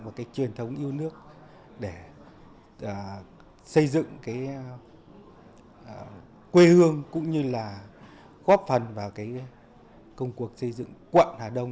và cái truyền thống yêu nước để xây dựng cái quê hương cũng như là góp phần vào cái công cuộc xây dựng quận hà đông